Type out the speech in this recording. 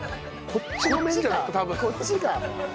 こっちか。